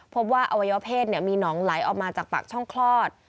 ว่าอวัยวะเพศมีหนองไหลออกมาจากปากช่องคลอด